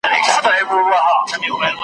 پر دې لاره چي وتلي زه یې شمع د مزار یم .